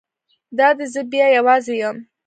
دا دی زه بیا یوازې یم.